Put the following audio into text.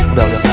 udah udah pak